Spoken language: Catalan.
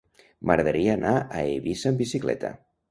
M'agradaria anar a Eivissa amb bicicleta.